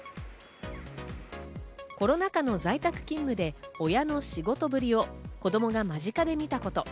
コロナ禍の在宅勤務で親の仕事ぶりを子供が間近で見たこと。